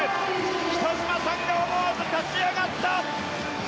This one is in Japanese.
北島さんが思わず立ち上がった。